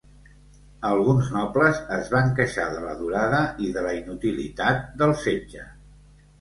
Alguns nobles es van queixar de la durada i la inutilitat del setge.